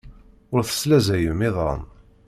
Ur teslaẓayem iḍan.